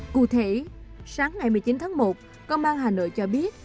cụ thể sáng ngày một mươi chín tháng một công an hà nội cho biết